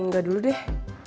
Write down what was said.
gak dulu deh